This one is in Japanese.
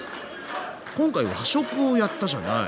今回和食をやったじゃない？